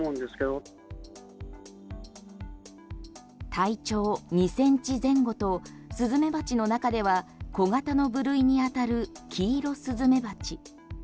体長２ｃｍ前後とスズメバチの中では小型の部類に当たるキイロスズメバチ。